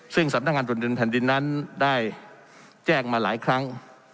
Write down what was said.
ซึ่งสำนักงานตรวจดินแผ่นดินนั้นได้แจ้งมาหลายครั้ง